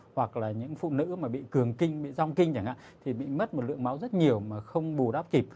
hoặc là những phụ nữ mà bị cường kinh bị rong kinh chẳng hạn thì bị mất một lượng máu rất nhiều mà không bù đắp kịp